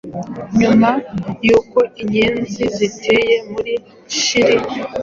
Nyuma y’uko Inyenzi ziteye muri Nshiri